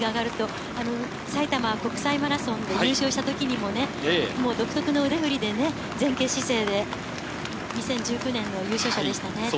さいたま国際マラソンで優勝した時も独特の腕振りで前傾姿勢で、２０１９年の優勝者でしたね。